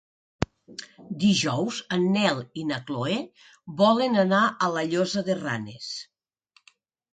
Dijous en Nel i na Chloé volen anar a la Llosa de Ranes.